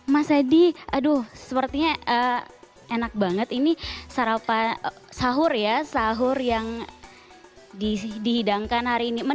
mas edi aduh sepertinya enak banget ini sahur ya sahur yang dihidangkan hari ini